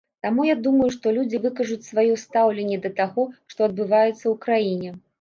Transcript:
Таму я думаю, што людзі выкажуць сваё стаўленне да таго, што адбываецца ў краіне.